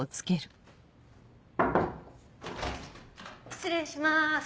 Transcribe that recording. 失礼します。